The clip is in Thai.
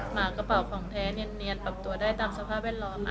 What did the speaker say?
หมากระเป๋าของแท้เนียนปรับตัวได้ตามสภาพแวดล้อม